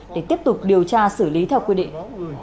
để tiếp tục điều tra xử lý theo quy định